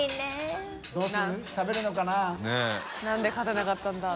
何で勝てなかったんだ。